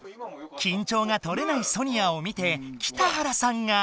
緊張がとれないソニアを見て北原さんが。